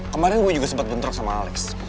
kemarin gue juga sempat bentrok sama alex